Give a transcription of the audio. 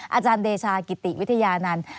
อาจารย์เดชากิติวิทยานันต์